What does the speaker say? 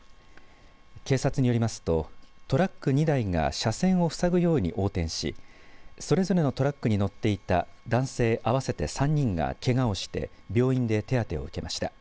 警察によりますとトラック２台が車線を塞ぐように横転しそれぞれのトラックに乗っていた男性合わせて３人がけがをして病院で手当てを受けました。